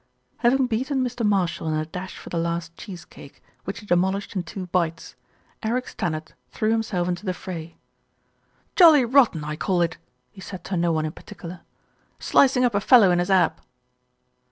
Having beaten Mr. Marshall in a dash for the last cheese cake, which he demolished in two bites, Eric Stannard threw himself into the fray. "Jolly rotten, I call it," he said to no one in par ticular, "slicing up a fellow in his ab."